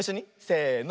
せの。